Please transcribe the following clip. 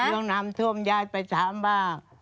เรื่องน้ำท่วมยายไปถามบ้าง